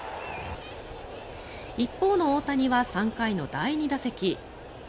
一方の大谷は３回の第２打席。